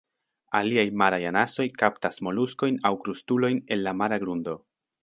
Aliaj maraj anasoj kaptas moluskojn aŭ krustulojn el la mara grundo.